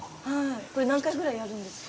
これ何回ぐらいやるんですか？